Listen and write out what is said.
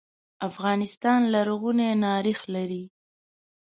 افغانستان لرغونی ناریخ لري.